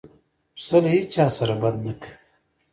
پسه له هیڅ چا سره بد نه کوي.